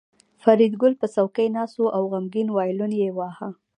فریدګل په څوکۍ ناست و او غمګین وایلون یې واهه